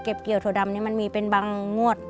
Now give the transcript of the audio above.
เกี่ยวถั่วดำนี้มันมีเป็นบางงวด